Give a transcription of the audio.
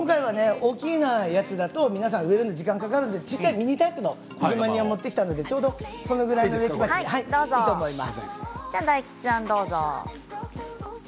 大きいやつだと植えるのに時間がかかるのでミニタイプのグズマニアを持ってきましたのでちょうどそのぐらいがいいと思います。